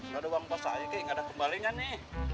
gak ada uang pasak lagi g gak ada kembalinan nih